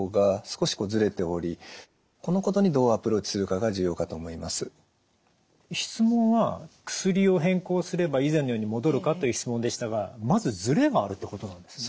この方の場合質問は「薬を変更すれば以前のように戻るか？」という質問でしたがまずずれがあるってことなんですね？